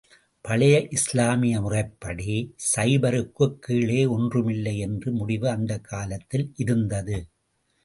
பழைய இஸ்லாமிய முறைப்படி, சைபருக்குக் கீழே ஒன்றுமில்லை என்ற முடிவு அந்தக் காலத்தில் இருந்தது.